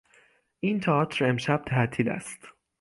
این تئاتر امشب تعطیل است.